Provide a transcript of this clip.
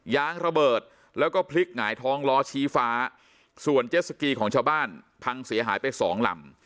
ยางระเบิดแล้วก็พลิกหงายท้องล้อชี้ฟ้าส่วนเจ็ดสกีของชาวบ้านพังเสียหายไปสองลำ